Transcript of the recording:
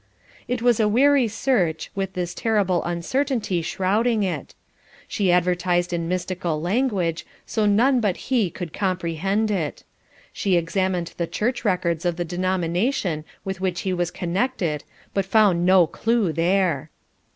It was a weary search, with this terrible uncertainty shrouding it. She advertised in mystical language, so none but he could comprehend it. She examined the church records of the denomination with which he was connected, but found no clue there.